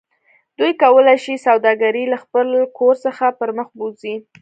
دوی کولی شي سوداګرۍ له خپل کور څخه پرمخ بوځي